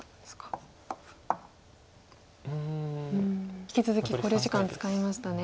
引き続き考慮時間使いましたね。